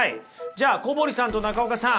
じゃあ小堀さんと中岡さん。